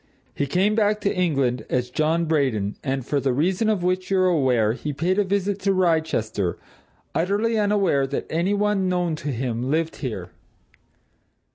He came back to England as John Braden, and, for the reason of which you're aware, he paid a visit to Wrychester, utterly unaware that any one known to him lived here.